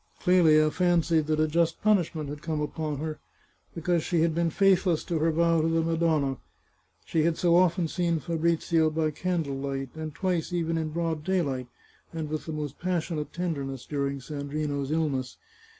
Clelia fancied that a just punishment had come upon her, because she had been faithless to her vow to the Madonna — she had so often seen Fabrizio by candlelight, and twice even in broad daylight, and with the most passionate tenderness, during Sandrino's illness!